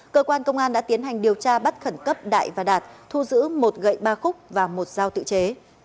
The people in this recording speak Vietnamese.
cơ quan công an đã tiến hành điều tra bắt khẩn cấp đại và đạt thu giữ một gậy ba khúc và một dao tự chế